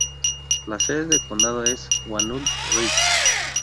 La sede de condado es Walnut Ridge.